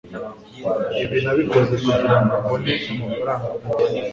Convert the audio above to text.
ibi nabikoze kugirango mbone amafaranga make